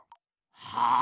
はあ？